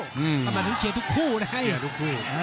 สำหรับถึงเชียร์ทุกคู่นะครับ